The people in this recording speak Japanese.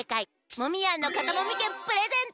モミヤンのかたもみけんプレゼント！